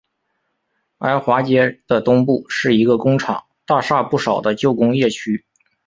埃华街的东部是一个工厂大厦不少的旧工业区。